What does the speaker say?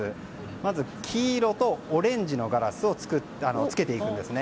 まず黄色とオレンジのガラスをつけていくんですね。